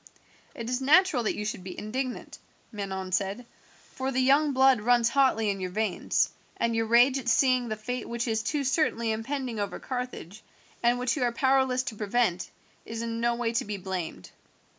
"It is natural that you should be indignant," Manon said, "for the young blood runs hotly in your veins, and your rage at seeing the fate which is too certainly impending over Carthage, and which you are powerless to prevent, is in no way to be blamed.